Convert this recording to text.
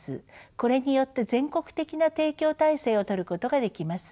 これによって全国的な提供体制をとることができます。